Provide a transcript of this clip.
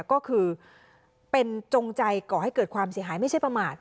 ก็คือเป็นจงใจก่อให้เกิดความเสียหายไม่ใช่ประมาท